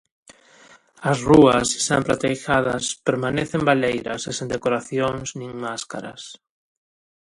As rúas sempre ateigadas permanecen baleiras e sen decoracións nin máscaras.